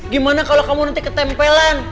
gimana kalau kamu nanti ketempelan